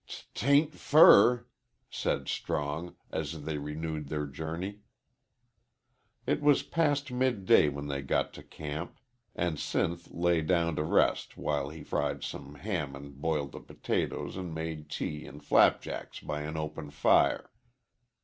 "'T 'tain't fur," said Strong, as they renewed their journey. It was past mid day when they got to camp, and Sinth lay down to rest while he fried some ham and boiled the potatoes and made tea and flapjacks by an open fire.